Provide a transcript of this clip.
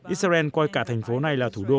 israel coi cả thành phố này là thủ đô